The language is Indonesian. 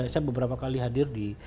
saya beberapa kali hadir di